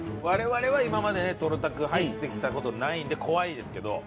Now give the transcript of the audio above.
我々は今までねとろたく入ってきた事ないんで怖いですけど。